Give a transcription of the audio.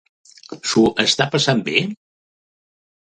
S'ho està passant bé?